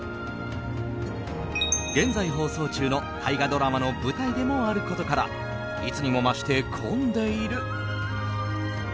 現在放送中の大河ドラマの舞台でもあることからいつにもまして混んでいる。